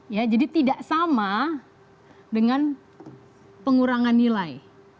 ya jadi tidak sama dengan pengurangan nilai